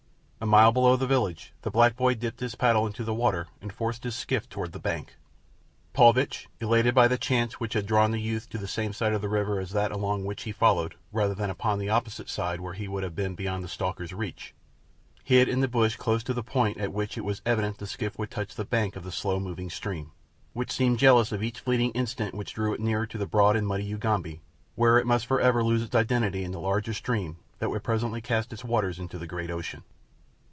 A mile below the village the black boy dipped his paddle into the water and forced his skiff toward the bank. Paulvitch, elated by the chance which had drawn the youth to the same side of the river as that along which he followed rather than to the opposite side where he would have been beyond the stalker's reach, hid in the brush close beside the point at which it was evident the skiff would touch the bank of the slow moving stream, which seemed jealous of each fleeting instant which drew it nearer to the broad and muddy Ugambi where it must for ever lose its identity in the larger stream that would presently cast its waters into the great ocean.